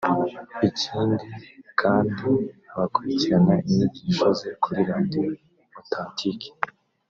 Ikindi kandi abakurikiranira inyigisho ze kuri radio Authentique